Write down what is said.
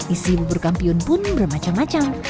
isi bubur kampiun pun bermacam macam